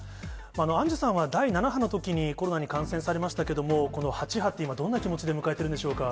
アンジュさんは第７波のときに、コロナに感染されましたけれども、この８波って、今、どんな気持ちで迎えてるんでしょうか。